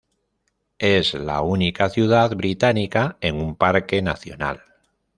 Es la única ciudad británica en un parque nacional.